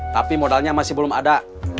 tapi modalnya masih belum ada